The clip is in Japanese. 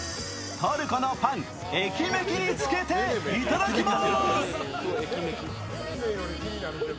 トルコのパン、エキメキにつけていただきます。